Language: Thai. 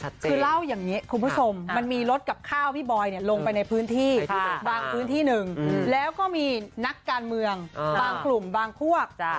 คือเล่าอย่างนี้คุณผู้ชมมันมีรถกับข้าวพี่บอยลงไปในพื้นที่บางพื้นที่หนึ่งแล้วก็มีนักการเมืองบางกลุ่มบางพวก